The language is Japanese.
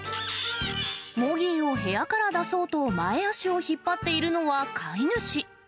モギーを部屋から出そうと、前足を引っ張っているのは飼い主。